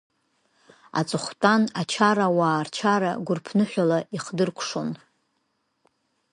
Аҵыхәтәан ачарауаа рчара гәарԥныҳәала ихдыркәшон…